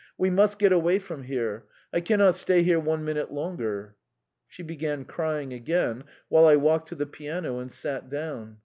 "We must get away from here I cannot stay here one minute longer." She began crying again, while I walked to the piano and sat down.